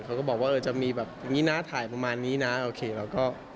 เขาก็บอกว่าเออจะมีอย่างนี้ที่ถ่ายประมาณนี้นะก็เอาละก็